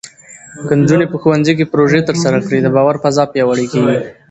که نجونې په ښوونځي کې پروژې ترسره کړي، د باور فضا پیاوړې کېږي.